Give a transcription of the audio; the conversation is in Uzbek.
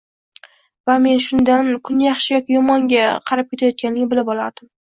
Va men shundan kun yaxshi yoki tomonga qarab ketayotganini bilib olardim